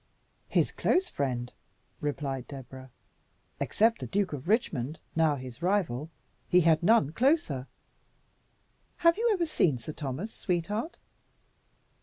"His close friend," replied Deborah; "except the Duke of Richmond, now his rival, he had none closer. Have you ever seen Sir Thomas, sweetheart?"